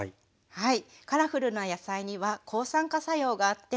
はい。